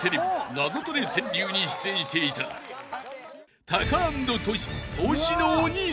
ナゾトレ川柳に出演していたタカアンドトシ］